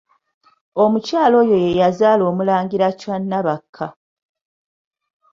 Omukyala oyo ye yazaala Omulangira Chwa Nabakka.